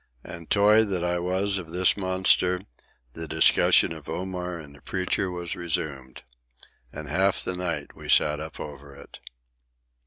And, toy that I was of this monster, the discussion of Omar and the Preacher was resumed. And half the night we sat up over it.